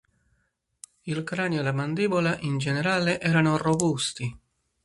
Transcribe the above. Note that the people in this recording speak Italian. Il cranio e la mandibola, in generale, erano robusti.